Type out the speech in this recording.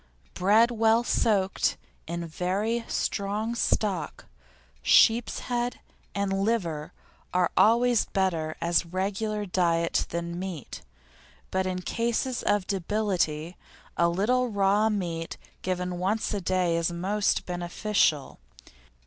Bread well soaked in very strong stock, sheep's head, and liver are always better as regular diet than meat, but in cases of debility a little raw meat given once a day is most beneficial.